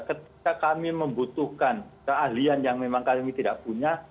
ketika kami membutuhkan keahlian yang memang kami tidak punya